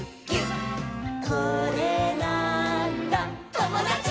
「これなーんだ『ともだち！』」